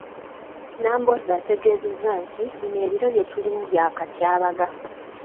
Nambooze ategeezezza nti bino ebiro bye tulimu bya katyabaga.